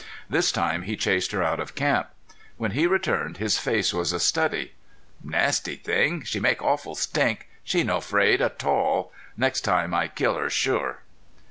This time he chased her out of camp. When he returned his face was a study: "Nashty thing! She make awful stink! She no 'fraid a tall. Next time I kill her sure!"